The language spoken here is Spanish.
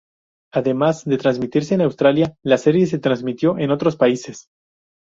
Además de transmitirse en Australia la serie se transmitió en otros países.